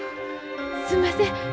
すんません。